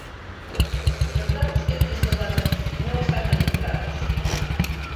E os datos que eu lle estou dando aquí non están manipulados.